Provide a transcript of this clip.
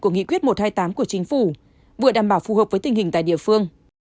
của nghị quyết một trăm hai mươi tám của chính phủ vừa đảm bảo phù hợp với tình hình tại địa phương